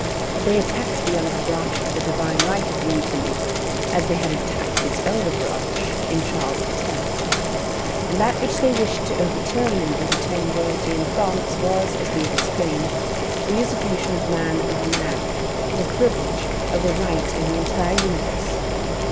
But they attacked the younger branch of the divine right in Louis Philippe as they had attacked its elder branch in Charles X.; and that which they wished to overturn in overturning royalty in France, was, as we have explained, the usurpation of man over man, and of privilege over right in the entire universe.